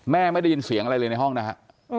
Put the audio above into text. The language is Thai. ไม่ได้ยินเสียงอะไรเลยในห้องนะฮะ